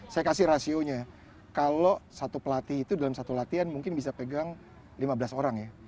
saya kasih rasionya kalau satu pelatih itu dalam satu latihan mungkin bisa pegang lima belas orang ya